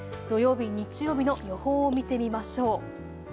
土曜日、日曜日の予報を見てみましょう。